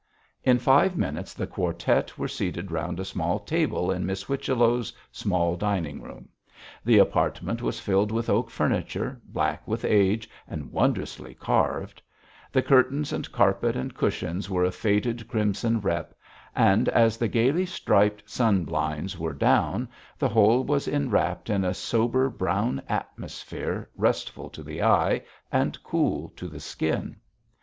In five minutes the quartette were seated round a small table in Miss Whichello's small dining room. The apartment was filled with oak furniture black with age and wondrously carved; the curtains and carpet and cushions were of faded crimson rep, and as the gaily striped sun blinds were down, the whole was enwrapped in a sober brown atmosphere restful to the eye and cool to the skin.